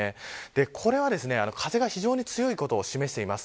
これは風が非常に強いことを示しています。